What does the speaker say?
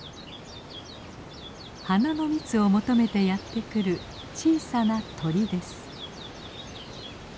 花の蜜を求めてやって来る小さな鳥です。